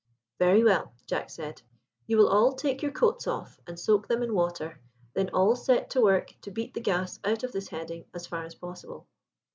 "Very well," Jack said, "you will all take your coats off and soak them in water, then all set to work to beat the gas out of this heading as far as possible.